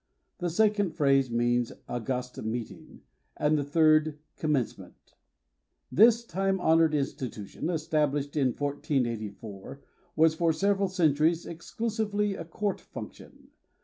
The second phrase means ''august meeting", and the third, "commencement". This time honored institution, es tablished in 1484, was for several cen turies exclusively a court function.